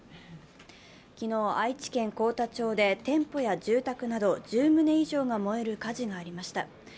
昨日、愛知県幸田町で店舗や住宅など１０棟以上が燃える火事がありました。